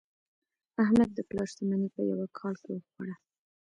احمد د پلار شتمني په یوه کال کې وخوړه.